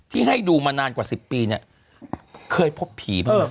ให้ดูมานานกว่า๑๐ปีเนี่ยเคยพบผีบ้างไหม